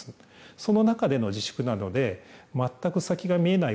その中での自粛なので、全く先が見えない